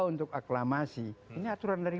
untuk aklamasi ini aturan dari